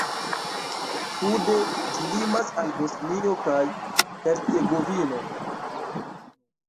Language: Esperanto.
Sude ĝi limas al Bosnio kaj Hercegovino.